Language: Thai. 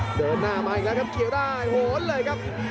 เดินหน้ามาอีกแล้วครับเกี่ยวได้โหนเลยครับ